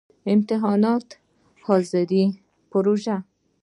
امتحانونه، ،حاضری، پروژی